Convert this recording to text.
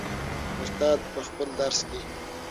استاد په خپل درس کې.